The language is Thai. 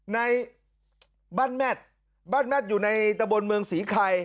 ในบ้านแมทบ้านแมทอยู่ในตะบนเมืองศรีไข่